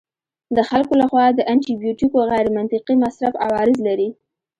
د خلکو لخوا د انټي بیوټیکو غیرمنطقي مصرف عوارض لري.